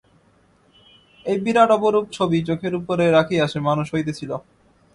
এই বিরাট অপরূপ ছবি চোখের উপরে রাখিয়া সে মানুষ হইতেছিল।